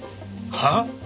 はあ？